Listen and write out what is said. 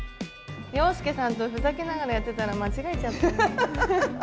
洋輔さんとふざけながらやってたら間違えちゃった。